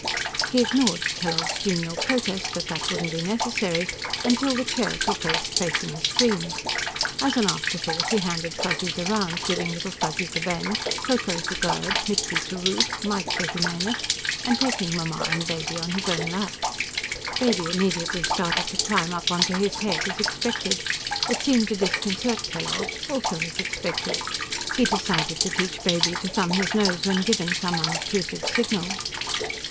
He ignored Kellogg's genial protest that that wouldn't be necessary until the chairs were placed facing the screen. As an afterthought, he handed Fuzzies around, giving Little Fuzzy to Ben, Ko Ko to Gerd, Mitzi to Ruth, Mike to Jimenez and taking Mamma and Baby on his own lap. Baby immediately started to climb up onto his head, as expected. It seemed to disconcert Kellogg, also as expected. He decided to teach Baby to thumb his nose when given some unobtrusive signal.